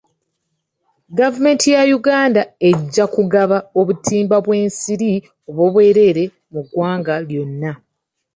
Gavumenti ya Uganda ejja kugaba obutimba bw'ensiri obw'obwereere mu ggwanga lyonna .